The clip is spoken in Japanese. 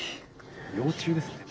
幼虫ですね。